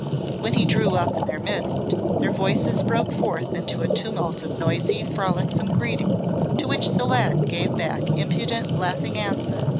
When he drew up in their midst their voices broke forth into a tumult of noisy, frolicsome greeting, to which the lad gave back impudent, laughing answer.